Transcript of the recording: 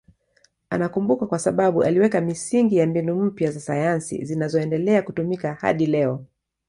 Anakumbukwa kwa sababu aliweka misingi ya mbinu mpya za sayansi zinazoendelea kutumika hadi leo.